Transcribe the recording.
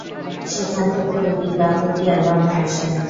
সেখান থেকে দুটি গান দুটি অ্যালবামে আসে।